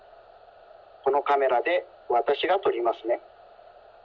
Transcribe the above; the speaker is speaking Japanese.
このカメラでわたしがとりますね。